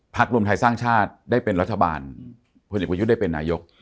พลักษณ์รุมไทยสร้างชาติได้เป็นรัฐบาลผู้หญิงกว่ายุทธ์ได้เป็นนายก